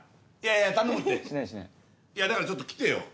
だからちょっと来てよ